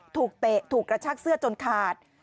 เตะถูกกระชากเสื้อจนขาด